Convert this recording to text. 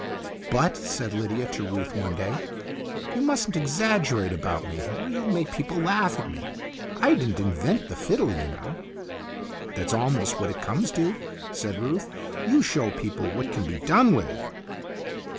"But," said Lydia to Ruth one day, "you mustn't exaggerate about me, or you'll make people laugh at me. I didn't invent the fiddle, you know." "That's almost what it comes to," said Ruth. " You show people what can be done with it."